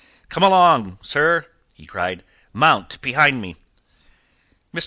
"Come along, sir," he cried. "Mount behind me." Mr.